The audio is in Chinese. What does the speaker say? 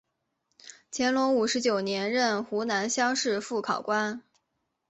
乾隆五十九年任湖南乡试副考官。